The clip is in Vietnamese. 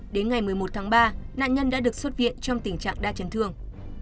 đến ngày một mươi một tháng ba nạn nhân đã được xuất viện trong tình trạng đa chấn thương